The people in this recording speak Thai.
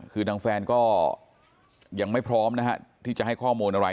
คือทางแฟนก็ยังไม่พร้อมนะฮะที่จะให้ข้อมูลอะไร